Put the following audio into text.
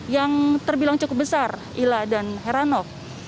yang terbilang cukup besar ila dan heranov